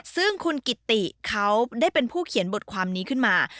ซึ่งคุณกิติเขาได้เป็นผู้เขียนบทความนี้ขึ้นมา